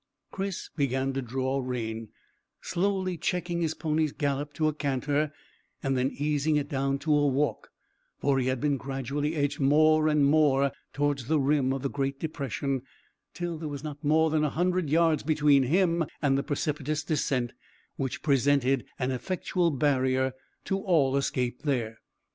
Chris began to draw rein, slowly checking his pony's gallop to a canter, and then easing it down to a walk, for he had been gradually edged more and more towards the rim of the great depression, till there was not more than a hundred yards between him and the precipitous descent, which presented an effectual barrier to all escape there.